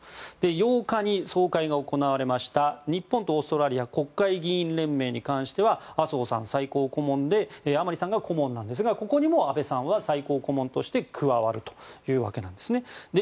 ８日に総会が行われた日本とオーストラリアの国会議員連盟に関しては麻生さん、最高顧問で甘利さんが顧問なんですがここにも安倍さんは最高顧問として加わるということです。